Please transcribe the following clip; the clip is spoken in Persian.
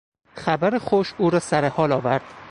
خبر خوش او را سر حال آورد.